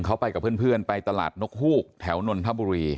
เขาไปกับเพื่อนไปตลาดนกฮูกแถวนนทบุรี